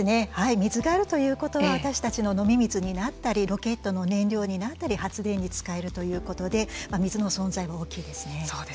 水があるということは私たちの飲み水になったりロケットの燃料になったり発電に使えるということで水の存在は大きいですね。